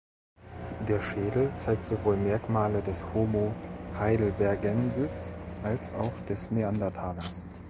Der Schädel zeigt sowohl Merkmale des "Homo heidelbergensis" als auch des Neandertalers.